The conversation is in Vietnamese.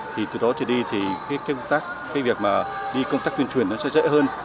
thì từ đó trở đi thì việc đi công tác tuyên truyền sẽ dễ hơn